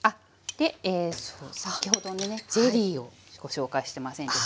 で先ほどのねゼリーをご紹介してませんでした。